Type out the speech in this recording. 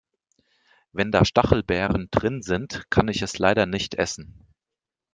Wenn da Stachelbeeren drin sind, kann ich es leider nicht essen.